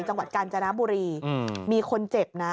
จังหวัดกาญจนบุรีมีคนเจ็บนะ